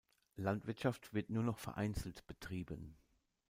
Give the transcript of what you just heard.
Landwirtschaft wird nur noch vereinzelt betrieben.